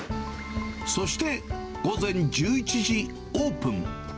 そして、午前１１時オープン。